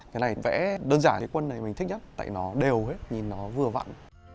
cái này vẽ đơn giản cái quân này mình thích nhất tại nó đều hết nhìn nó vừa vặn